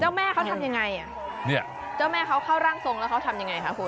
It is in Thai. แม่เขาทำยังไงอ่ะเนี่ยเจ้าแม่เขาเข้าร่างทรงแล้วเขาทำยังไงคะคุณ